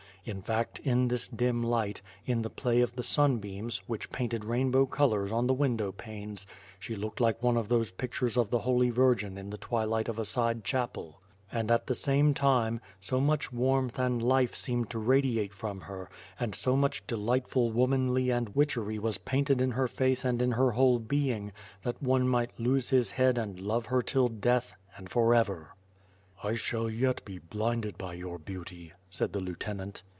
In fact, in this dim light, in the play of the sunbeams, which painted rainbow colors on the window panes, she looked like one of those pictures of the Holy Virgin in the twilight of a side chapel. And at the same time, so much warmth and life seemed to radiate from her, and so much delightful womanly and witchery was painted in her face and in her whole being, that one might lose his head and love her till death, and forever! "I shall yet be blinded by your beauty," said the lieu tenant."